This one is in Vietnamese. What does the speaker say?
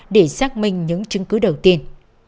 để xác minh những chứng cứ đầu tiên